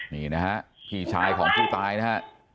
นี่นะฮะพี่ชายของผู้ตายนะฮะ